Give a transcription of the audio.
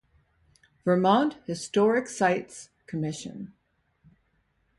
Vermont Historic Sites Commission.